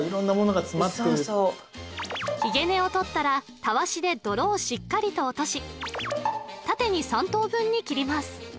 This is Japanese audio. ひげ根を取ったらたわしで泥をしっかりと落とし縦に３等分に切ります